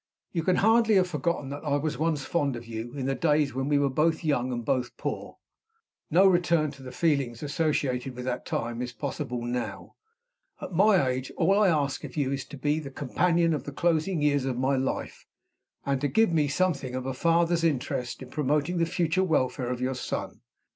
"You can hardly have forgotten that I was once fond of you, in the days when we were both young and both poor. No return to the feelings associated with that time is possible now. At my age, all I ask of you is to be the companion of the closing years of my life, and to give me something of a father's interest in promoting the future welfare of your son.